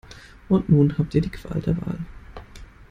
Und nun habt ihr die Qual der Wahl.